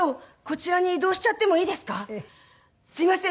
すいません。